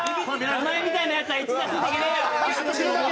お前みたいなヤツは一座ついていけねえよ。